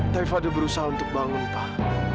tapi fadil berusaha untuk bangun pak